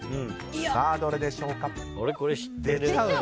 さあ、どれでしょうか？